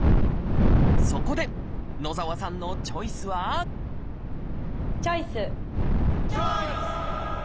そこで野澤さんのチョイスはチョイス！